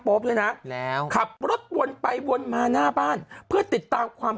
ด้วยนะแล้วขับรถวนไปวนมาหน้าบ้านเพื่อติดตามความ